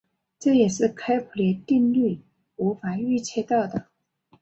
这也是开普勒定律无法预测到的。